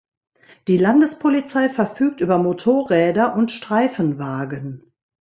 Die Landespolizei verfügt über Motorräder und Streifenwagen.